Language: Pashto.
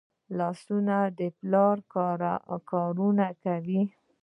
لاسونه د پلار کارونه کوي